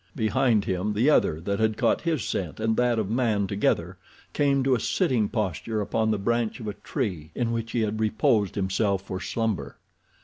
Behind him the other that had caught his scent and that of man together came to a sitting posture upon the branch of a tree in which he had reposed himself for slumber.